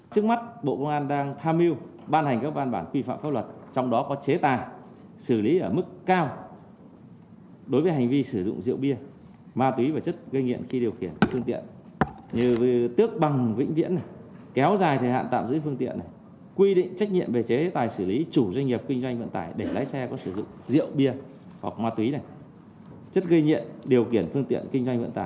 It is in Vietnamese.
trước mắt bộ công an đang tham mưu ban hành các văn bản quy phạm pháp luật trong đó có chế tài xử lý ở mức cao đối với hành vi sử dụng rượu bia ma túy và chất gây nghiện khi điều khiển phương tiện như tước bằng vĩnh viễn kéo dài thời hạn tạm giữ phương tiện quy định trách nhiệm về chế tài xử lý chủ doanh nghiệp kinh doanh vận tài để lái xe có sử dụng rượu bia hoặc ma túy chất gây nghiện điều khiển phương tiện kinh doanh vận tài